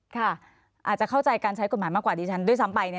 อาจจะเข้าใจการใช้กฎหมายมากกว่าดิฉันด้วยซ้ำไป